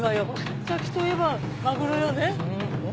三崎といえばマグロよね。